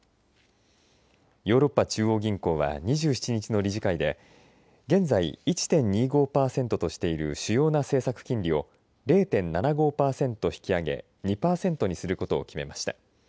ヨーロッパ中央銀行は２７日の理事会で現在、１．２５パーセントとしている主要な政策金利を０．７５パーセント引き上げ２パーセントにすることを決めました。